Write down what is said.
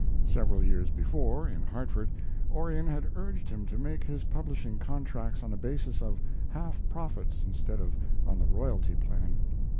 Several years before, in Hartford, Orion had urged him to make his publishing contracts on a basis of half profits, instead of on the royalty plan.